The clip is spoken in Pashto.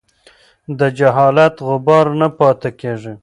د جهالت غبار نه پاتې کېږي.